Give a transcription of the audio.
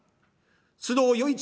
須藤与一